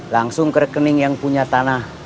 langsung ke rekening yang punya tanah